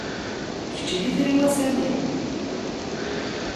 Kečč d itri-w, a Sami.